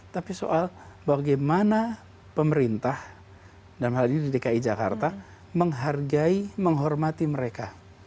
tapi soal bagaimana pemerintah dalam hal ini di dki jakarta menghargai menghormati mereka